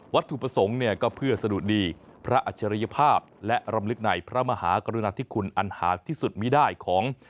ถูกประสงค์เนี่ยก็เพื่อสะดุดีพระอัจฉริยภาพและรำลึกในพระมหากรุณาธิคุณอันหาที่สุดมีได้ของ